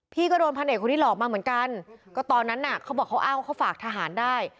พี่ก็โดนพันเอกคนนี้หลอกมาเหมือนกันก็ตอนนั้นน่ะเขาบอกเขาอ้างว่าเขาฝากทหารได้